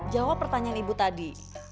jawab pertanyaan ibu tadi